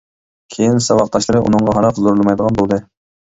كېيىن ساۋاقداشلىرى ئۇنىڭغا ھاراق زورلىمايدىغان بولدى.